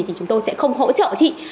thì chúng tôi sẽ không hỗ trợ chị